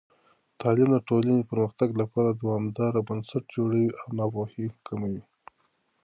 تعلیم د ټولنې د پرمختګ لپاره دوامدار بنسټ جوړوي او ناپوهي کموي.